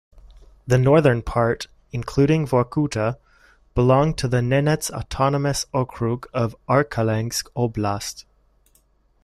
The northern part, including Vorkuta, belonged to the Nenets Autonomous Okrug of Arkhangelsk Oblast.